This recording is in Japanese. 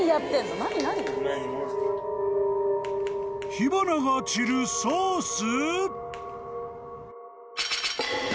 ［火花が散るソース？］